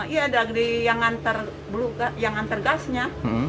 iya dari yang nganter gasnya